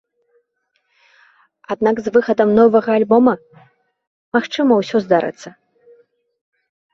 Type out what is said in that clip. Аднак, з выхадам новага альбома, магчыма, усё здарыцца.